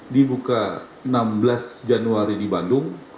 dibuka enam belas januari di bandung